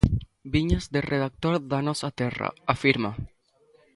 Viñas de redactor d'A Nosa Terra, afirma.